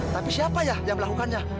tapi siapa ya yang melakukannya